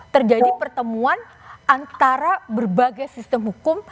terjadi pertemuan antara berbagai sistem hukum